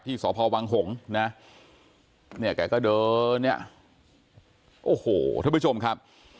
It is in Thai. ที่สอพาววังห่งนะนี่แกก็เดินเนี่ยโอ้โหทุกผู้ชมครับ